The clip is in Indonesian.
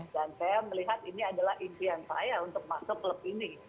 dan saya melihat ini adalah impian saya untuk masuk klub ini